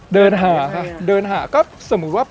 เดินหาค่ะเดินหาก็สมมุติว่า